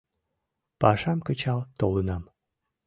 — Пашам кычал толынам.